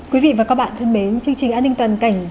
quý vị và các bạn thân mến chương trình an ninh toàn cảnh